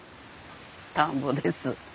田んぼです。